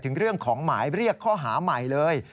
ถึงเรื่องของหมายเรียกข้อหาใหม่เลย